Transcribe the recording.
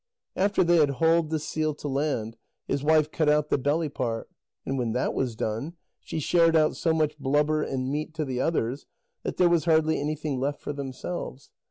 After they had hauled the seal to land, his wife cut out the belly part, and when that was done, she shared out so much blubber and meat to the others that there was hardly anything left for themselves.